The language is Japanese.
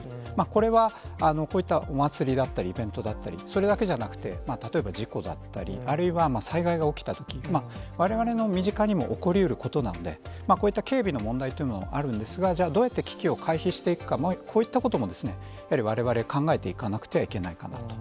これは、こういったお祭りだったり、イベントだったり、それだけじゃなくて、例えば事故だったり、あるいは災害が起きたとき、われわれの身近にも起こりうることなので、こういった警備の問題というのもあるんですが、じゃあ、どうやって危機を回避していくか、こういったことも、やはりわれわれ、考えていかなくてはいけないかなと。